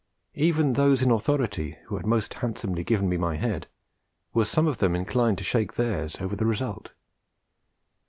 Even those in authority, who had most handsomely given me my head, were some of them inclined to shake theirs over the result.